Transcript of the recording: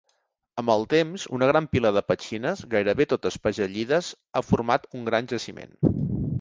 Amb el temps, una gran pila de petxines, gairebé totes pagellides, ha format un gran jaciment.